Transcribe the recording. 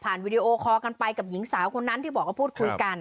วีดีโอคอลกันไปกับหญิงสาวคนนั้นที่บอกว่าพูดคุยกัน